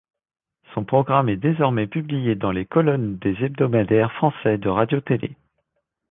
Son programme est désormais publié dans les colonnes des hebdomadaires français de radio-télé.